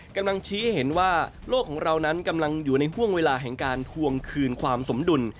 กำลังชี้ให้เห็นว่าโลกของเรานั้นกำลังอยู่ในห่วงเวลาแห่งการทวงคืนความสมดุล